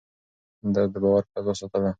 ده د باور فضا ساتله.